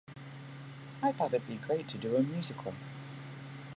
I thought it'd be great to do a musical.